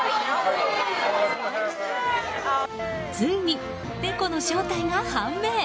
ついに、猫の正体が判明。